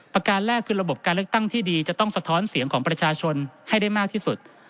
การแรกคือระบบการเลือกตั้งที่ดีจะต้องสะท้อนเสียงของประชาชนให้ได้มากที่สุด